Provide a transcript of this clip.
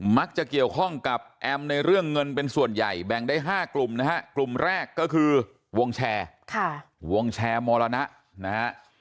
มักจะเกี่ยวข้องกับแอมในเรื่องเงินเป็นส่วนใหญ่แบ่งได้๕กลุ่มนะฮะกลุ่มแรกก็คือวงแชร์วงแชร์มรณะนะฮะ